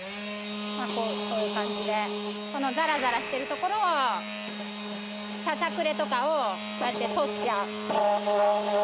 こういう感じでこのザラザラしてるところをささくれとかをこうやって取っちゃう。